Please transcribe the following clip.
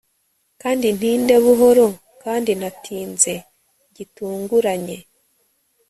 Kandi ntinde buhoro kandi natinze gitunguranye